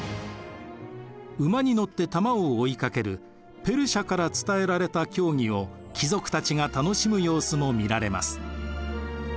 馬に乗って玉を追いかけるペルシアから伝えられた競技を貴族たちが楽しむ様子も見られます。